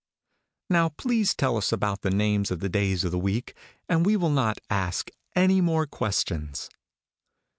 "Now please tell us about the names of the days of the week, and we will not ask any more questions."